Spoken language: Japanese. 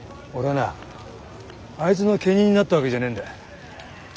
俺はなあいつの家人になったわけじゃねえんだ。